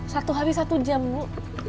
satu hari satu jam bu